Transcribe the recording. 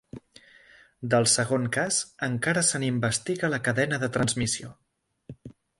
Del segon cas, encara se n’investiga la cadena de transmissió.